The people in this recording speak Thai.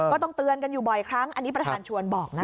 ก็ต้องเตือนกันอยู่บ่อยครั้งอันนี้ประธานชวนบอกนะคะ